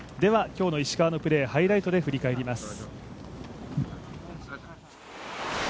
今日の石川のプレー、ハイライトで振り返ります。